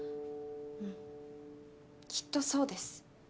うんきっとそうです